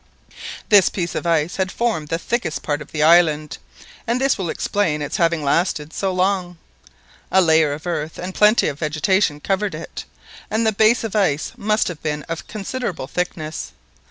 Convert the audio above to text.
This piece of ice had formed the thickest part of the island, and this will explain its having lasted so long. A layer of earth and plenty of vegetation covered it, and the base of ice must have been of considerable thickness.